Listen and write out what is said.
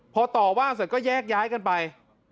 พอต่อว่าเสร็จก็แยกย้ายกันไป